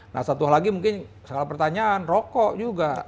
nah satu lagi mungkin salah pertanyaan rokok juga